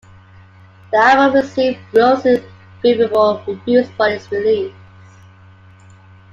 The album received mostly favourable reviews upon its release.